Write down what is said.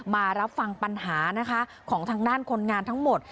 มารับฟังปัญหานะคะของทางด้านคนงานทั้งหมด